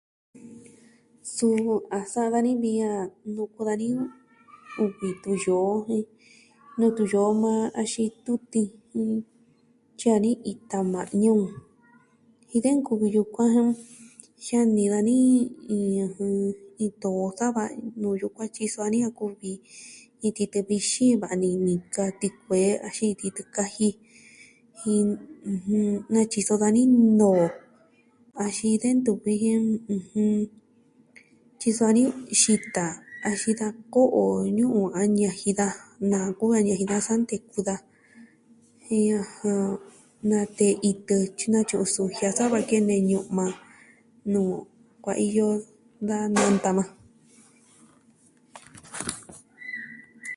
Suu a sa'a dani vi a, nuku dani uvi tuyoo, jen nuu tuyoo maa axin tutiin, tyi'i dani ita ma'ñu, jin de nkuvi yukuan jan jiani dani iin, jɨn, ito sa va nuu tyukuan tyiso dani a kuvi iin titɨ vixin va ni nika, tikuee, axon titɨ kaji, jin, ɨjɨn, natyiso dani noo axin de ntu vi ji, ɨjɨn... tyiso dani, xita axin da ko'o ñu'un a ñaji daja. Nanku a ñaji daja sa nteku daja. Jen ajan, natee itɨ, tyi natyu'un sujia sa va kene ñu'ma nuu kuaiyo da nanta majan.